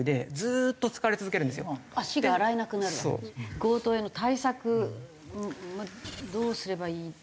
強盗への対策どうすればいい？